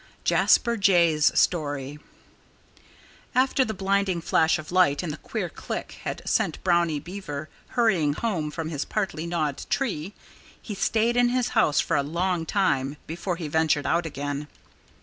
XV JASPER JAY'S STORY After the blinding flash of light and the queer click had sent Brownie Beaver hurrying home from his partly gnawed tree, he stayed in his house for a long time before he ventured out again.